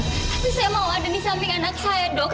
maksud saya mau ada disamping anak saya dok